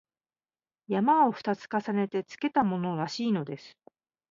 「山」を二つ重ねてつけたものらしいのです